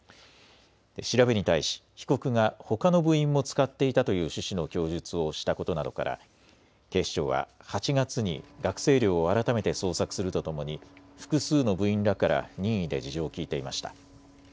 調べに対し被告がほかの部員も使っていたという趣旨の供述をしたことなどから警視庁は８月に学生寮を改めて捜索するとともに複数の部員らから任意で事情を聞いていました。